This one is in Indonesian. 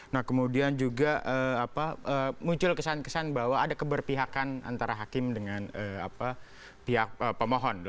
nah kemudian juga muncul kesan kesan bahwa ada keberpihakan antara hakim dengan pihak pemohon